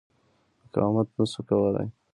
مقاومت نه شو کولای.